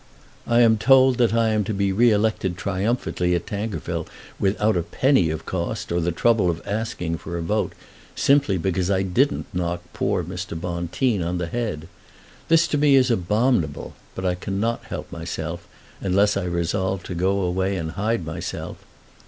I am told that I am to be re elected triumphantly at Tankerville without a penny of cost or the trouble of asking for a vote, simply because I didn't knock poor Mr. Bonteen on the head. This to me is abominable, but I cannot help myself, unless I resolve to go away and hide myself.